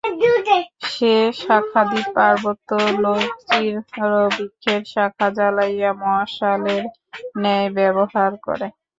সে শাখাদীপ পার্বত্য লোক চীর বৃক্ষের শাখা জ্বালাইয়া মশালের ন্যায় ব্যবহার করে।